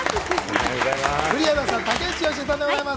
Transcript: フリーアナウンサー・竹内由恵さんです。